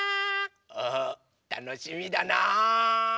あたのしみだな！